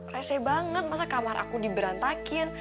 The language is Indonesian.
rese banget masa kamar aku di berantakin